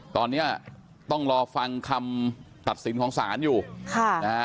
ตอนนี้ต้องรอฟังคำตัดสินของศาลอยู่ค่ะนะฮะ